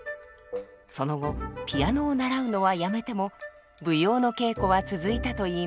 その後ピアノを習うのはやめても舞踊の稽古は続いたといいます。